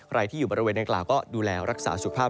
ใครที่อยู่บริเวณดังกล่าวก็ดูแลรักษาสุขภาพ